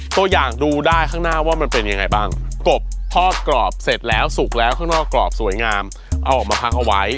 ตัวอย่างดูได้ข้างหน้าว่ามันเป็นยังไงบ้างกบพอกรอบเสร็จแล้วสุกแล้วข้างนอกกรอบสวยงามเอาออกมาพักเอาไว้